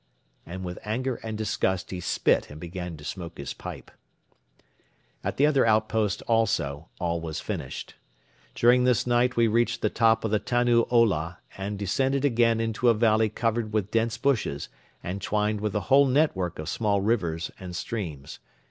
And with anger and disgust he spit and began to smoke his pipe. At the other outpost also all was finished. During this night we reached the top of the Tannu Ola and descended again into a valley covered with dense bushes and twined with a whole network of small rivers and streams.